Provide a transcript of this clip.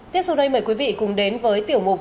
tiếp sau đây mời quý vị cùng đến với tiểu mục